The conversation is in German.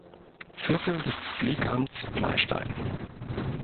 Viertel des Pflegamts Pleystein.